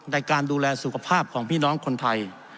ในการดูแลสุขภาพของพี่น้องคนไทย